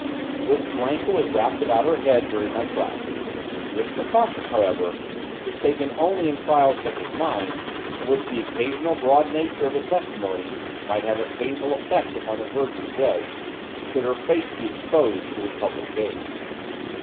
This blanket was wrapped about her head during my trial; this precaution, however, is taken only in trials such as mine, in which the occasionally broad nature of the testimony might have a painful effect upon the virgin judge, should her face be exposed to the public gaze.